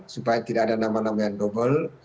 supaya tidak ada nama nama yang double